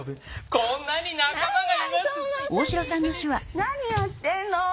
何やってんの！